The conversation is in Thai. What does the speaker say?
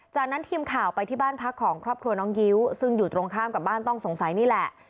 จากนั้นทีมข่าวไปที่บ้านพักของครอบครัวน้องยิ้วซึ่งอยู่ตรงข้ามกับบ้านต้องสงสัยนี่แหละ